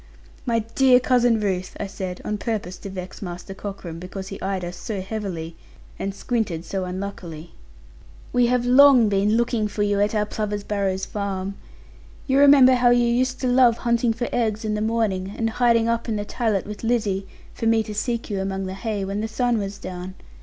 'My dear Cousin Ruth,' I said, on purpose to vex Master Cockram, because he eyed us so heavily, and squinted to unluckily, 'we have long been looking for you at our Plover's Barrows farm. You remember how you used to love hunting for eggs in the morning, and hiding up in the tallat with Lizzie, for me to seek you among the hay, when the sun was down.